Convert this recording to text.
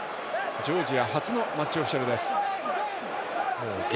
ジョージア初のマッチオフィシャルです。